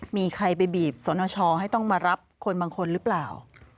มีใครไปบีบสนชให้ต้องมารับคนบางคนหรือเปล่า